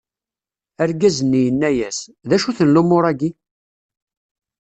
Argaz-nni yenna-as: D acu-ten lumuṛ-agi?